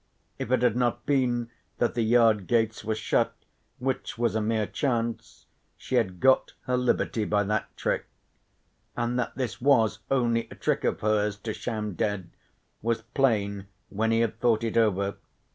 If it had not been that the yard gates were shut, which was a mere chance, she had got her liberty by that trick. And that this was only a trick of hers to sham dead was plain when he had thought it over.